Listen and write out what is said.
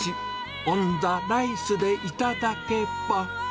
オン・ザ・ライスで頂けば。